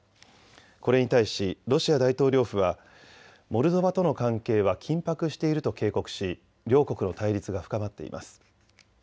これに対しロシア大統領府はモルドバとの関係は緊迫していると警告し両国の対立が深まっています。